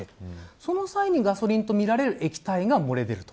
その際にガソリンとみられる液体が漏れている。